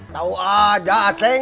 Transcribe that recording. tau aja acing